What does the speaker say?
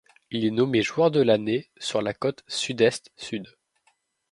Il est nommé joueur de l'année sur la côte sud-est sud.